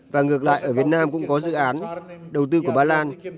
và ngược lại ở việt nam cũng có dự án đầu tư của ba lan